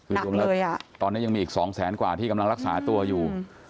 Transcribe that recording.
คือรวมเลยอ่ะตอนนี้ยังมีอีก๒แสนกว่าที่กำลังรักษาตัวอยู่